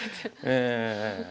ええ。